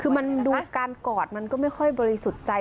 คือมันดูการกอดมันก็ไม่ค่อยบริสุทธิ์ใจ